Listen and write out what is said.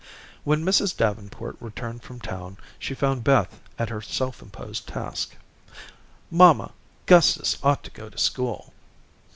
When Mrs. Davenport returned from town, she found Beth at her self imposed task. "Mamma, Gustus ought to go to school."